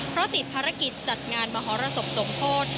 เพราะติดภารกิจจัดงานมหรสบสมโพธิ